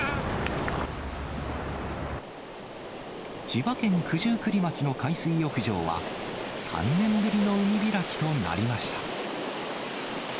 千葉県九十九里町の海水浴場は、３年ぶりの海開きとなりました。